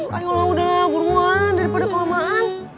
ayolah udah buruan daripada kelamaan